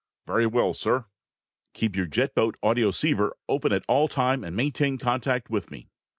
"Very well, sir." "Keep your jet boat audioceiver open all the time and maintain contact with me."